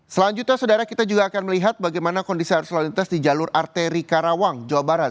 selanjutnya saudara kita juga akan melihat bagaimana kondisi arus lalu lintas di jalur arteri karawang jawa barat